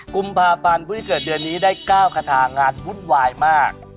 กุมภาพันธ์ผู้ที่เกิดเดือนนี้ได้๙คาถางานวุ่นวายมาก